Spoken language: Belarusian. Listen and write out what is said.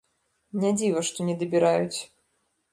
Не дзіва, што недабіраюць.